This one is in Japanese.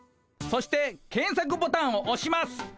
そして検索ボタンをおします。